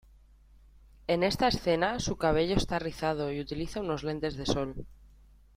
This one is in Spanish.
En esta escena su cabello está rizado y utiliza unos lentes de sol.